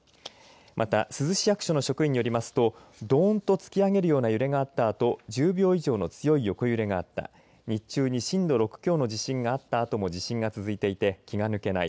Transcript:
また、珠洲市役所の職員によりますとどーんと突き上げるような揺れがあったあと１０秒以上の根強い横揺れがあった日中に震度６強の地震があったあとも地震が続いてて気が抜けない。